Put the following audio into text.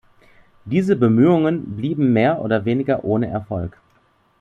Diese Bemühungen blieben mehr oder weniger ohne Erfolg.